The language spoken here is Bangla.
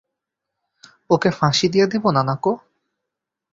ওকে ফাঁসি দিয়ে দিব, নানাকো?